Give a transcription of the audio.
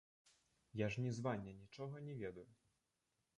Я ж нізвання нічога не ведаю.